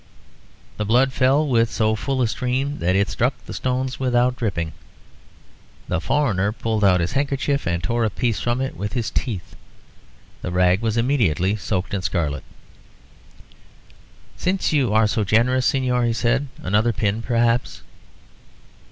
The blood fell with so full a stream that it struck the stones without dripping. The foreigner pulled out his handkerchief and tore a piece from it with his teeth. The rag was immediately soaked in scarlet. "Since you are so generous, Señor," he said, "another pin, perhaps."